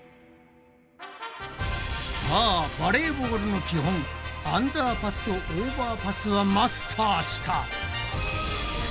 さあバレーボールの基本アンダーパスとオーバーパスはマスターした！